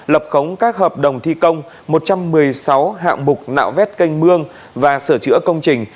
lập khống các hợp đồng thi công một trăm một mươi sáu hạng mục nạo vét canh mương và sửa chữa công trình